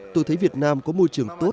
tôi thấy việt nam có môi trường tốt